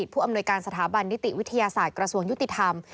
ผู้อำนวยการสถาบันนิติวิทยาศาสตร์กระทรวงยุติธรรม